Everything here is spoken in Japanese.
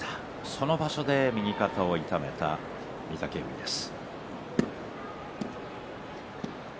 その場所で右肩を痛めた御嶽海です。